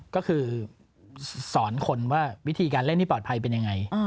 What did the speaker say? ก็คือสอนคนว่าวิธีการเล่นที่ปลอดภัยเป็นยังไง